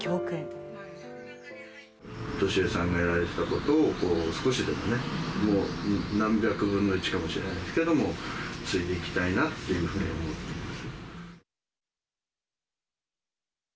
要江さんがやられていたことを、少しでもね、何百分の１かもしれないけども、継いでいきたいなっていうふうに思っています。